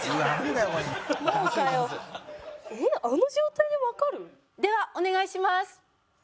えっあの状態でわかる？ではお願いします。